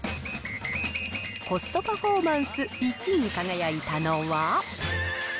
コストパフォーマンス１位に輝いたのは。